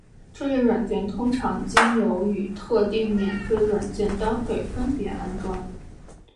这类软件通常经由与特定免费软件搭配分别安装。